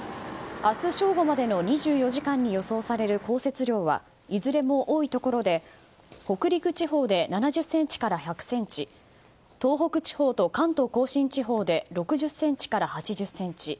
明日正午までの２４時間に予想される降雪量はいずれも多いところで北陸地方で７０ｃｍから１００ｃｍ東北地方と関東・甲信地方で６０ｃｍから８０ｃｍ